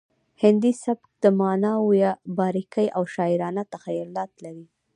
هندي سبک د معناوو باریکۍ او شاعرانه تخیلات لري